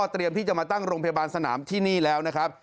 เตรียมที่จะมาตั้งโรงพยาบาลสนามที่นี่แล้วนะครับ